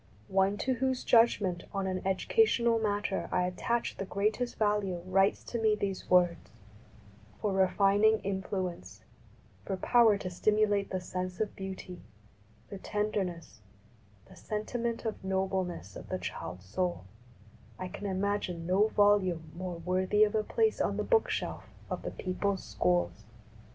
One to whose judgment on an educational matter I at tach the greatest value writes to me these words :" For refining influence, for power to stimulate the sense of beauty, the tenderness, the sentiment of nobleness of the child soul, I can imagine no volume more worthy of a place on the book shelf of the people's schools."